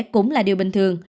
cũng là điều bình thường